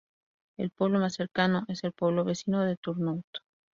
El pueblo más cercano es el pueblo vecino de Turnhout.